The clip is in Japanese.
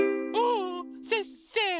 せっせの。